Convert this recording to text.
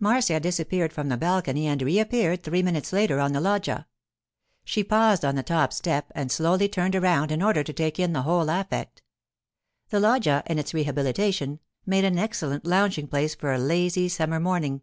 Marcia disappeared from the balcony and reappeared three minutes later on the loggia. She paused on the top step and slowly turned around in order to take in the whole affect. The loggia, in its rehabilitation, made an excellent lounging place for a lazy summer morning.